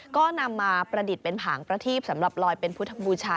ก็นำมาประดิษฐ์เป็นผางประทีบสำหรับลอยเป็นพุทธบูชา